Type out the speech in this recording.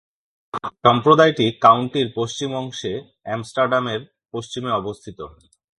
সম্প্রদায়টি কাউন্টির পশ্চিম অংশে, আমস্টারডামের পশ্চিমে অবস্থিত।